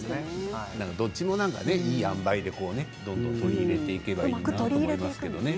どっちも、いいあんばいでどんどん取り入れていけばいいと思いますけどね。